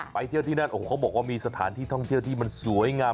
ไปเที่ยวที่นั่นโอ้โหเขาบอกว่ามีสถานที่ท่องเที่ยวที่มันสวยงาม